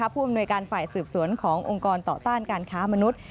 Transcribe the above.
ผู้อำนวยการฝ่ายสืบสวนขององค์กรต่อต้านการค้ามนุษย์